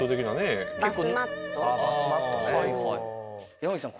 山岸さん